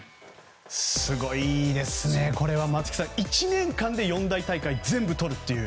すごいですね、これは。１年間で四大大会全部とるって。